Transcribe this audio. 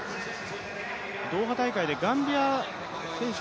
ドーハ大会でガンビア選手